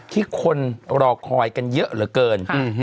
ที่คนรอคอยกันเยอะเหลือเกิน